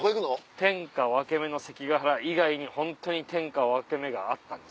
天下分け目の関ヶ原以外にホントに天下分け目があったんです。